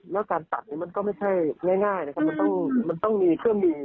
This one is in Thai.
แล้วการตัดมันก็ไม่ใช่ง่ายมันต้องมีเครื่องมี